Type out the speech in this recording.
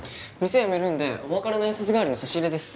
店辞めるんでお別れの挨拶代わりの差し入れです。